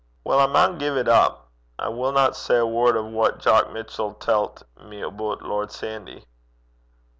'Weel, I maun gie 't up. I winna say a word o' what Jock Mitchell tellt me aboot Lord Sandy.'